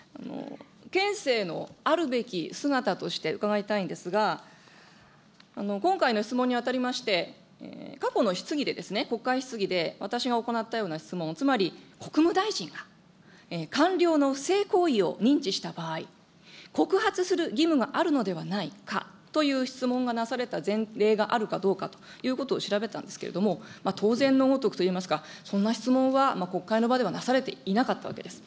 憲政のあるべき姿として伺いたいんですが、今回の質問にあたりまして、過去の質疑でですね、国会質疑で私が行ったような質問、つまり国務大臣が官僚の不正行為を認知した場合、告発する義務があるのではないかという質問がなされた前例があるかどうかということを調べたんですけれども、当然のごとくといいますか、そんな質問は国会の場ではなされていなかったわけです。